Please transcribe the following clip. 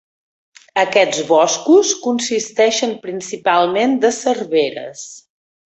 Aquests boscos consisteixen principalment de serveres.